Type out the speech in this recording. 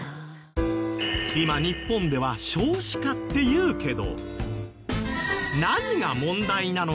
今日本では少子化って言うけど。